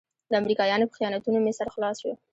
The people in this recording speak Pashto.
د امريکايانو په خیانتونو مې سر خلاص شو.